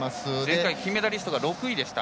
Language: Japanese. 前回の金メダリストが６位でした。